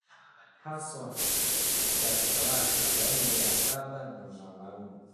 haswa cha talaka baina ya baba na mamangu